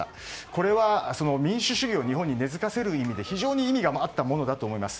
これは民主主義を日本に根付かせる意味で非常に意味があったものだと思います。